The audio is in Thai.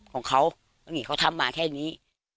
ของเขาว่าอย่างงี้เขาทำมาแค่นี้